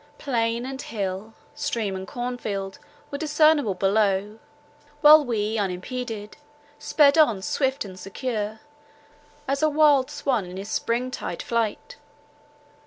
Plain and hill, stream and corn field, were discernible below, while we unimpeded sped on swift and secure, as a wild swan in his spring tide flight.